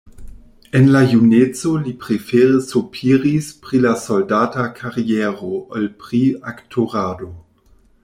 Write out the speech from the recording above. En la juneco li prefere sopiris pri la soldata kariero ol pri aktorado.